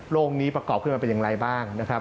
โลกนี้ประกอบขึ้นมาเป็นอย่างไรบ้าง